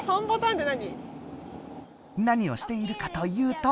何をしているかというと。